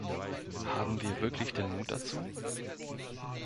Haben wir wirklich den Mut dazu?